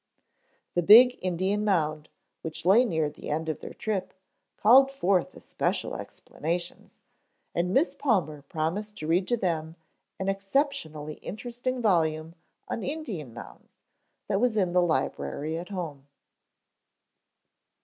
The big Indian mound which lay near the end of their trip called forth especial explanations, and Miss Palmer promised to read to them an exceptionally interesting volume on Indian mounds that was in the library at home.